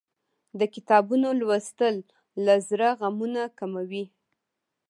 د کتابونو لوستل له زړه غمونه کموي.